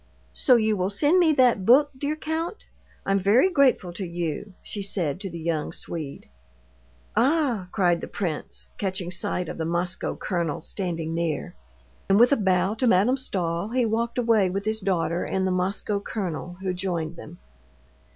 "So you will send me that book, dear count? I'm very grateful to you," she said to the young Swede. "Ah!" cried the prince, catching sight of the Moscow colonel standing near, and with a bow to Madame Stahl he walked away with his daughter and the Moscow colonel, who joined them.